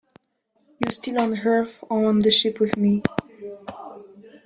You still on Earth, or on the ship with me?